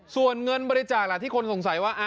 ส่วนเงินบริจาคล่ะที่คนสงสัยว่า